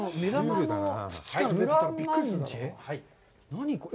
何、これ！？